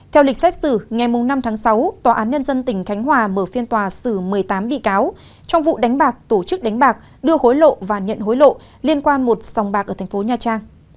theo lịch xét xử ngày năm tháng sáu tòa án nhân dân tỉnh khánh hòa mở phiên tòa xử một mươi tám bị cáo trong vụ đánh bạc tổ chức đánh bạc đưa hối lộ và nhận hối lộ liên quan một sòng bạc ở thành phố nha trang